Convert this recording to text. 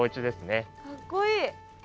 かっこいい！